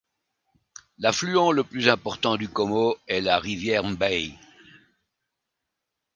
L'affluent le plus important du Komo est la rivière Mbèi.